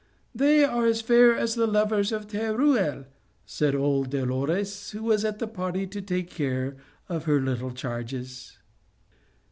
" They are as fair as the lovers of Teruel," said old Dolores, who was at the party to take care of her little charges.